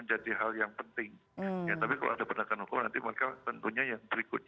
ada yang selalu kita tuangkan